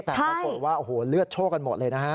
แต่ปรากฏว่าโอ้โหเลือดโชคกันหมดเลยนะฮะ